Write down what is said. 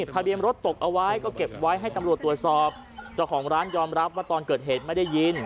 ทะเบียนรถตกเอาไว้ก็เก็บไว้ให้ตำรวจตรวจสอบเจ้าของร้านยอมรับว่าตอนเกิดเหตุไม่ได้ยิน